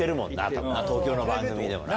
多分東京の番組でもな。